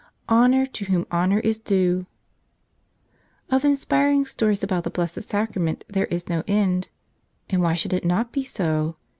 "l^onor to GSJIjom pernor is Due" F INSPIRING stories about the Blessed Sac¬ rament there is no end. And why should it not be so?